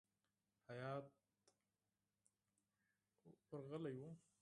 هیات ورغلی وو.